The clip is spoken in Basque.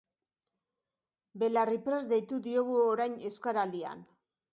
Belarriprest deitu diogu orain Euskaraldian.